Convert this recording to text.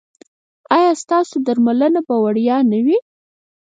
ایا ستاسو درملنه به وړیا نه وي؟